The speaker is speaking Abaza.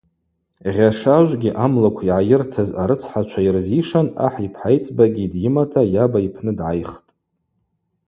Гъьашажвгьи амлыкв йгӏайыртыз арыцхӏачва йырзишан ахӏ йпхӏайцӏбагьи дйымата йаба йпны дгӏайхтӏ.